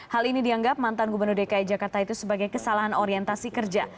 hal ini dianggap mantan gubernur dki jakarta itu sebagai kesalahan orientasi kerja